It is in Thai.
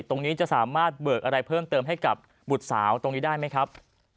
ตรงนี้จะสามารถเบิกอะไรเพิ่มเติมให้กับบุตรสาวตรงนี้ได้ไหมครับ